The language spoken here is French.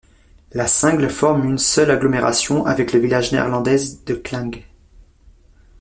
La Clinge forme une seule agglomération avec le village néerlandaise de Clinge.